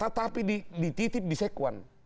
tetapi dititip di sekuan